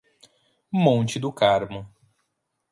Monte do Carmo